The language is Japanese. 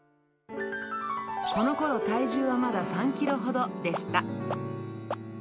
このころ、体重はまだ３キロほどでした。